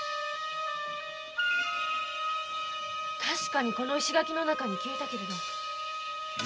確かにこの石垣の中に消えたけれど。